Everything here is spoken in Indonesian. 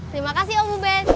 terima kasih om ubed